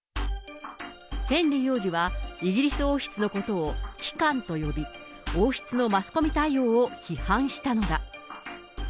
ヘンリー王子は、イギリス王室のことを機関と呼び、王室のマスコミ対応を批判したのだ。